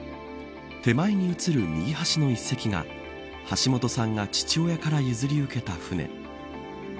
手前に写る右端の１隻が橋本さんが父親から譲り受けた船。